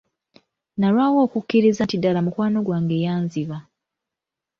Nalwawo okukikkiriza nti ddala mukwano gwange yanziba.